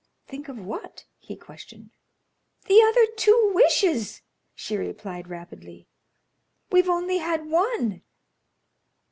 "Think of what?" he questioned. "The other two wishes," she replied, rapidly. "We've only had one."